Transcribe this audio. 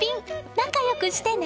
仲良くしてね。